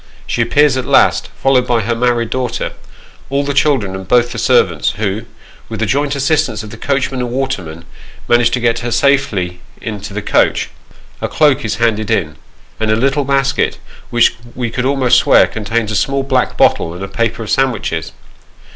She appears at last, followed by her married daughter, all the children, and 62 Sketches by Boz. both the servants, who, with the joint assistance of the coachman and waterman, manage to get her safely into the coach. A cloak is handed in, and a little basket, which we could almost swear contains a small black bottle, and a paper of sandwiches.